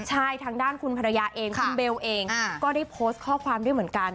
ใช่ทางด้านคุณภรรยาเองคุณเบลเองก็ได้โพสต์ข้อความด้วยเหมือนกัน